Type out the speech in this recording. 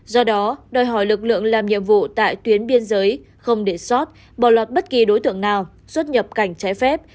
do đó đòi hỏi lực lượng làm nhiệm vụ tại tuyến biên giới không để sót bỏ lọt bất kỳ đối tượng nào xuất nhập cảnh trái phép